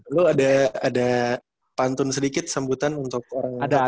dulu ada pantun sedikit sambutan untuk orang datang